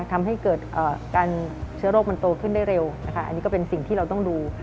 ทำให้เกิดการเชื้อโรคมันโตขึ้นได้เร็วนะคะอันนี้ก็เป็นสิ่งที่เราต้องดู